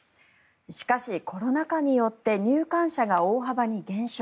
しかし、コロナ禍によって入館者が大幅に減少。